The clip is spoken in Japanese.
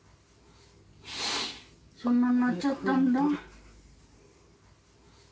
そんなんなっちゃったんだ。